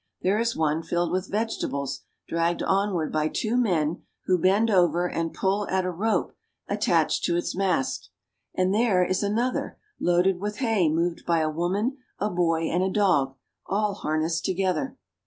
There is one filled with vegeta bles dragged onward by two men who bend over and pull at a rope attached to its mast, and there is another loaded with hay moved by a woman, a boy, and a dog, all harnessed together.